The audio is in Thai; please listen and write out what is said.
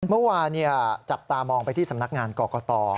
เมื่อวานจับตามองไปที่สำนักงานกรกต